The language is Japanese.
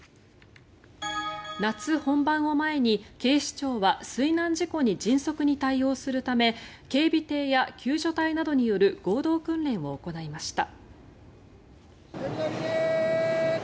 夏本番を前に、警視庁は水難事故に迅速に対応するため警備艇や救助隊などによる合同訓練を行いました。